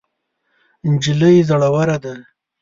نجلۍ زړوره ده.